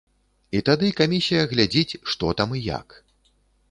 І тады камісія глядзіць, што там і як.